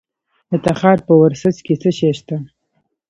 د تخار په ورسج کې څه شی شته؟